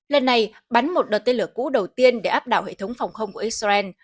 lần này bắn một đợt tên lửa cũ đầu tiên để áp đảo hệ thống phòng không của israel